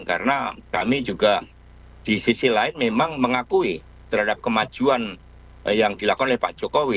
karena kami juga di sisi lain memang mengakui terhadap kemajuan yang dilakukan oleh pak jokowi